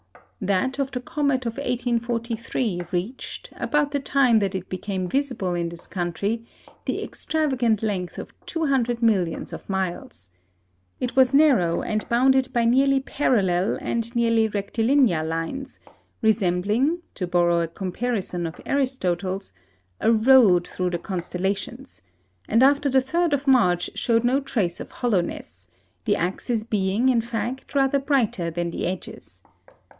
That of the comet of 1843 reached, about the time that it became visible in this country, the extravagant length of 200 millions of miles. It was narrow, and bounded by nearly parallel and nearly rectilinear lines, resembling to borrow a comparison of Aristotle's a "road" through the constellations; and after the 3rd of March showed no trace of hollowness, the axis being, in fact, rather brighter than the edges.